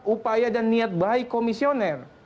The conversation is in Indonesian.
upaya dan niat baik komisioner